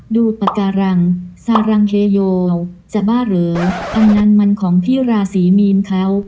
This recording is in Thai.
ดูปากการังซารังเฮโยจะบ้าเหรออันนั้นมันของพี่ราศีมีนเขา